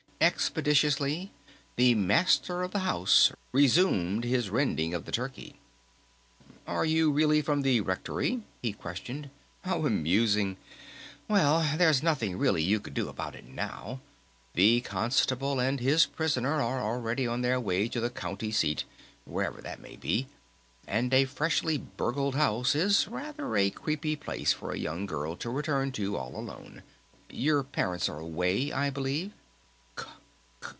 Expeditiously the Master of the House resumed his rending of the turkey. "Are you really from the Rectory?" he questioned. "How amusing.... Well, there's nothing really you could do about it now.... The constable and his prisoner are already on their way to the County Seat wherever that may be. And a freshly 'burgled' house is rather a creepy place for a young girl to return to all alone.... Your parents are away, I believe?" "Con stable